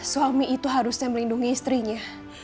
suami itu harusnya melindungi istrinya